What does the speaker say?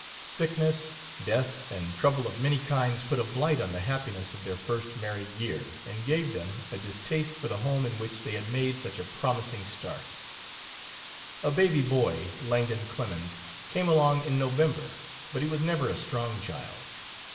Sickness, death, and trouble of many kinds put a blight on the happiness of their first married year and gave, them a distaste for the home in which they had made such a promising start. A baby boy, Langdon Clemens, came along in November, but he was never a strong child.